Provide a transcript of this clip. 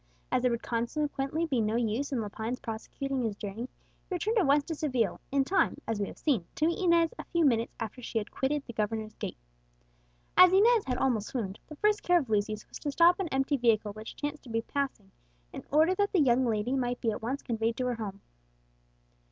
As there would consequently be no use in Lepine's prosecuting his journey, he returned at once to Seville, in time, as we have seen, to meet Inez a few minutes after she had quitted the governor's gate. As Inez had almost swooned, the first care of Lucius was to stop an empty vehicle which chanced to be passing, in order that the young lady might be at once conveyed to her home.